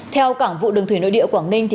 theo cảng vụ đường thủy nội địa quảng ninh